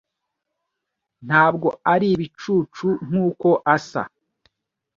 ntabwo ari ibicucu nkuko asa.